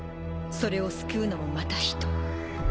それを救うのもまた人。